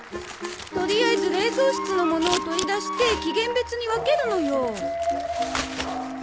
とりあえず冷蔵室の物を取り出して期限別に分けるのよ。